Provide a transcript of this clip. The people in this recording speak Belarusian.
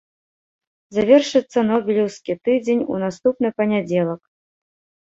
Завершыцца нобелеўскі тыдзень у наступны панядзелак.